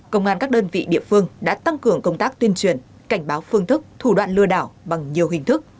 công an các đơn vị địa phương đã tăng cường công tác tuyên truyền cảnh báo phương thức thủ đoạn lừa đảo bằng nhiều hình thức